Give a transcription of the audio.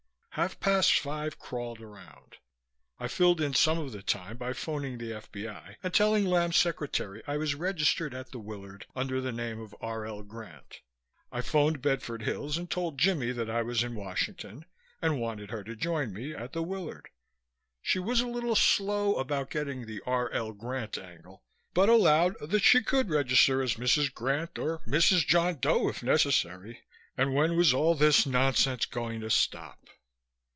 Half past five crawled around. I filled in some of the time by phoning the F.B.I. and telling Lamb's secretary I was registered at the Willard under the name of R. L. Grant. I phoned Bedford Hills and told Jimmie that I was in Washington and wanted her to join me at the Willard. She was a little slow about getting the R. L. Grant angle but allowed that she could register as Mrs. Grant or Mrs. John Doe if necessary and when was all this nonsense going to stop?